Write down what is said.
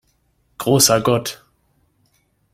Großer Gott!